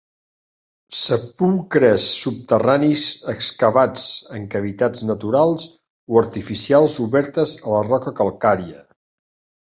Sepulcres subterranis excavats en cavitats naturals o artificials obertes a la roca calcària.